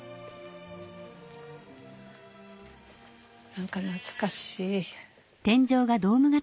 何か懐かしい。